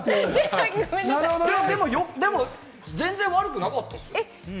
でも全然悪くなかったですよ。